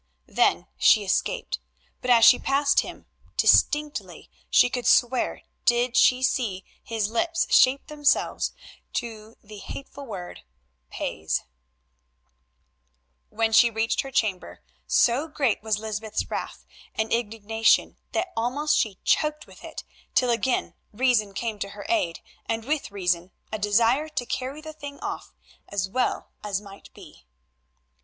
Then she escaped, but, as she passed him, distinctly, she could swear, did she see his lips shape themselves to the hateful word—"pays." When she reached her chamber, so great was Lysbeth's wrath and indignation that almost she choked with it, till again reason came to her aid, and with reason a desire to carry the thing off as well as might be.